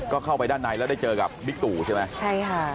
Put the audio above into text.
ก็เข้าไปด้านในแล้วได้เจอกับบิ๊กตู่ใช่ไหมใช่ค่ะ